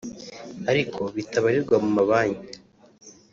ariko bitabarirwa mu mabanki